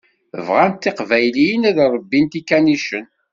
Bɣant teqbayliyin ad ṛebbint ikanicen.